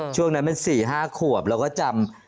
ช่วงนั้นมัน๔๕ขวบเราก็จำ